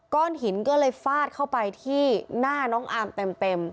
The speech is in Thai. ก้อนหินก็เลยฟาดเข้าไปที่หน้าน้องอามเต็ม